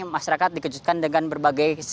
masyarakat dikejutkan dengan berbagai